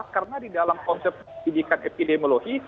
karena di dalam konsep pendidikan epidemiologi